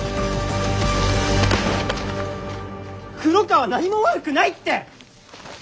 黒川は何も悪くないって！